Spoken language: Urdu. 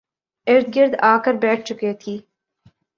ارد گرد آ کر بیٹھ چکے تھی